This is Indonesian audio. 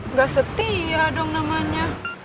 nggak setia dong namanya